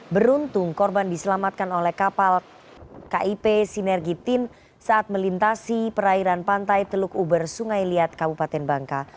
beruntung korban diselamatkan oleh kapal kip sinergi tim saat melintasi perairan pantai teluk uber sungai liat kabupaten bangka